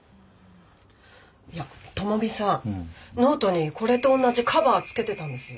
いや朋美さんノートにこれと同じカバーつけてたんですよ。